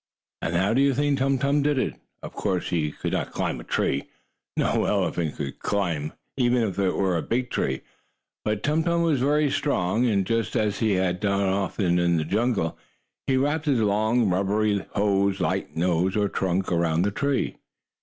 And how do you think Tum Tum did it? Of course he could not climb a tree no elephant could, even if it were a big tree. But Tum Tum was very strong, and, just as he had often done in the jungle, he wrapped his long, rubbery hose like nose, or trunk, around the tree.